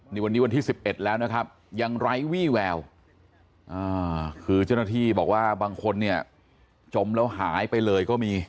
นี่วันนี้วันที่๑๑แล้วนะครับยังไร้วี่แววคือเจ้าหน้าที่บอกว่าบางคนเนี่ยจมแล้วหายไปเลยก็มี